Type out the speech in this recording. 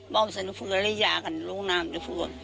บ้าวสันธุ์ฟื้อแล้วยากันโรงนามธุ์ฟื้อ